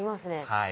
はい。